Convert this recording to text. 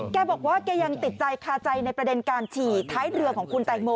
แกบอกว่าแกยังติดใจคาใจในประเด็นการฉี่ท้ายเรือของคุณแตงโม